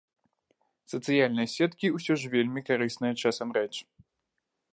Сацыяльныя сеткі ўсё ж вельмі карысная часам рэч.